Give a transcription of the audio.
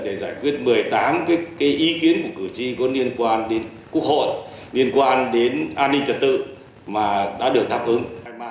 để giải quyết một mươi tám ý kiến của cử tri có liên quan đến quốc hội liên quan đến an ninh trật tự mà đã được đáp ứng